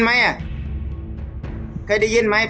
เอ้าเคยได้ยินมัยอะ